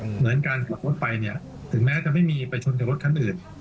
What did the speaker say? เหมือนการขับรถไปเนี่ยถึงแม้จะไม่มีไปชนกับรถคันอื่น